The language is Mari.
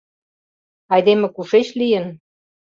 — Айдеме кушеч лийын?